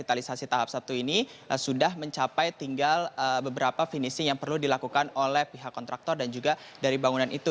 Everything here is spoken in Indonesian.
apa yang harus dilakukan oleh pihak kontraktor dan juga dari bangunan itu